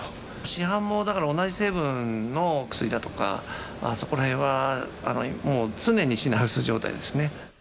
市販もだから、同じ成分の薬だとか、そこらへんはもう常に品薄状態ですね。